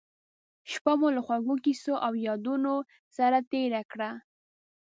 شپه مو له خوږو کیسو او یادونو سره تېره کړه.